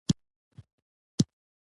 له خلکو سره همکاري وپالئ.